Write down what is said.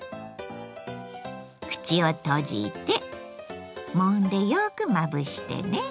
口を閉じてもんでよくまぶしてね。